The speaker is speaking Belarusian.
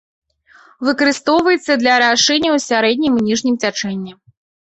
Выкарыстоўваецца для арашэння ў сярэднім і ніжнім цячэнні.